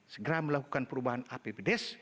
segera melakukan perubahan apbdes